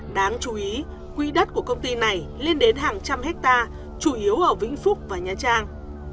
đáng chú ý quỹ đất của công ty này lên đến hàng trăm hectare chủ yếu ở vĩnh phúc và nha trang